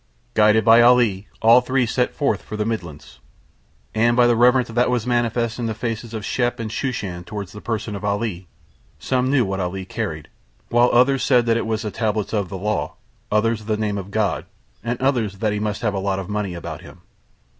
Guided by Ali all three set forth for the Midlands. And by the reverence that was manifest in the faces of Shep and Shooshan towards the person of Ali, some knew what Ali carried, while others said that it was the tablets of the Law, others the name of God, and others that he must have a lot of money about him.